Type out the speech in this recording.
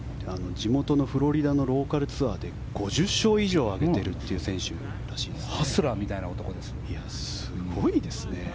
地元フロリダのローカルツアーで５０勝以上を挙げている選手らしいですね。